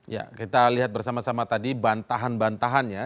ya kita lihat bersama sama tadi bantahan bantahannya